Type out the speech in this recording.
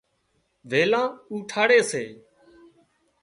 ويلان اُوٺاڙي سي